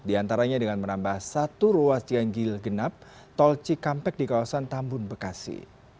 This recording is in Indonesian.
di antaranya dengan menambah satu ruas yang gilgenap tol cikampek di kawasan tambun bekasi